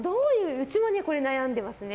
うちもこれ、悩んでますね。